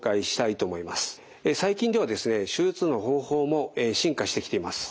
最近ではですね手術の方法も進化してきています。